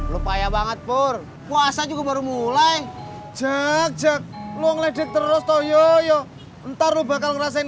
lu payah banget pur puasa juga baru mulai jak jak lu ngeledek terus toh yoyo ntar lu bakal ngerasain